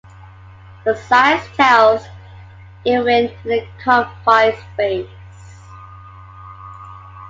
But science tells, even in a confined space.